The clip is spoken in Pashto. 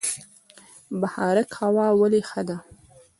بهارک هوا ولې ښه ده؟